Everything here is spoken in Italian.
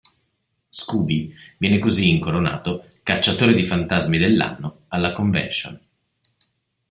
Scooby viene così incoronato Cacciatore di Fantasmi dell'Anno alla convention.